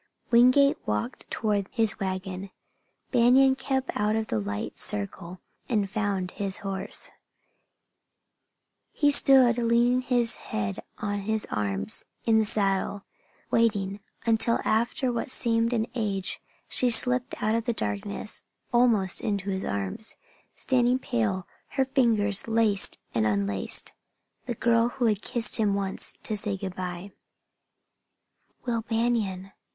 Wingate walked toward his wagon. Banion kept out of the light circle and found his horse. He stood, leaning his head on his arms in the saddle, waiting, until after what seemed an age she slipped out of the darkness, almost into his arms, standing pale, her fingers lacing and unlacing the girl who had kissed him once to say good by. "Will Banion!"